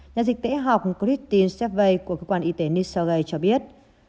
nhà dịch tễ học christine sevei của cơ quan y tế new south wales cho biết